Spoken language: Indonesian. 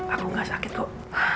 aku tidak sakit kok